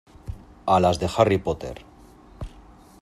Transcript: a las de Harry Potter.